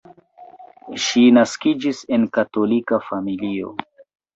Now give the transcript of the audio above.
Ŝi naskiĝis en katolika familio.